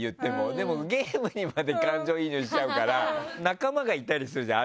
でも、ゲームにまで感情移入しちゃうから仲間がいたりするじゃん。